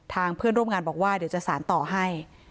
เพื่อนร่วมงานบอกว่าเดี๋ยวจะสารต่อให้